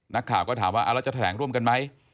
นักข่าวก็ถามว่าแล้วจะแถลงร่วมกันไหม